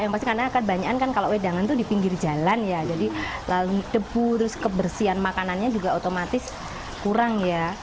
karena banyaknya wedangan di pinggir jalan jadi debu kebersihan makanannya juga otomatis kurang